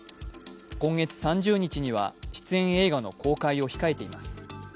今月３０日には出演映画の公開を控えています。